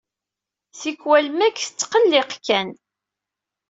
Tikkal, Meg tettqelliq Ken.